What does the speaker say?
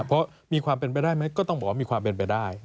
เพราะมีความเป็นไปได้ไหมก็ต้องบอกว่ามีความเป็นไปได้